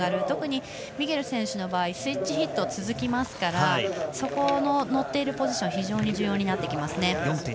特にミゲル選手の場合はスイッチヒットが続くのでそこの乗っているポジションは非常に重要になってきます。